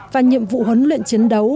và nhiệm vụ huấn luyện chiến đấu